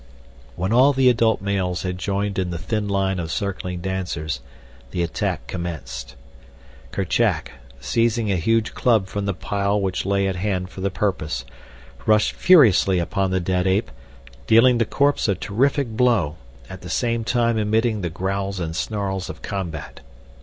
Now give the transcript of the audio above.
When all the adult males had joined in the thin line of circling dancers the attack commenced. Kerchak, seizing a huge club from the pile which lay at hand for the purpose, rushed furiously upon the dead ape, dealing the corpse a terrific blow, at the same time emitting the growls and snarls of combat.